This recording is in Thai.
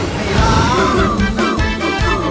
ร้องได้